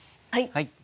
はい！